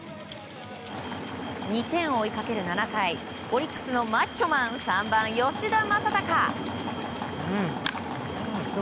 ２点を追いかける７回オリックスのマッチョマン３番、吉田正尚。